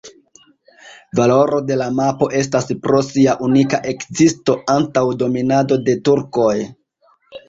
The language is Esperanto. Valoro de la mapo estas pro sia unika ekzisto antaŭ dominado de turkoj.